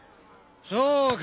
そうか。